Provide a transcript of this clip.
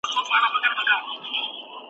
یوه ورځ هم پر غلطه نه وو تللی ,